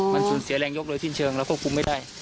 มันสูญเสียแรงยกโดยสิ้นเชิงเราควบคุมไม่ได้